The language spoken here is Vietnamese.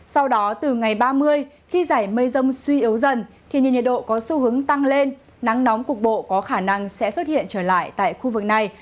sau đó từ ngày ba mươi khi giải mây rông suy yếu dần thì nhiệt nhiệt độ có xu hướng tăng lên nắng nóng cục bộ có khả năng sẽ xuất hiện trở lại tại khu vực này